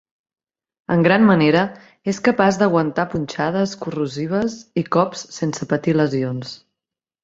En gran manera és capaç d'aguantar punxades corrosives i cops sense patir lesions.